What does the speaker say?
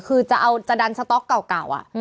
คือจะเอาจะดันสต๊อกเก่า